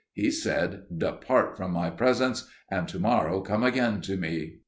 He said, "Depart from my presence, and to morrow come again to me."